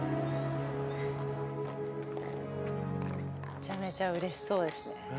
めちゃめちゃうれしそうですね。